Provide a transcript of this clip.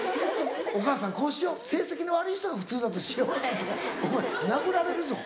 「お母さんこうしよう成績の悪い人が普通だとしよう」。って言ったらお前殴られるぞ。